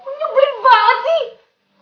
menyubrih banget sih